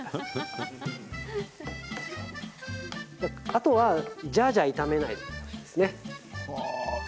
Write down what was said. あとは、ジャージャー炒めないことですね。